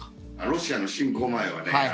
ロシアの侵攻前はね